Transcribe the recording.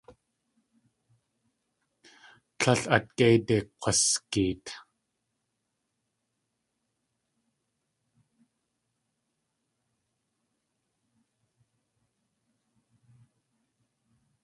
Tlél at géide kg̲wasgeet.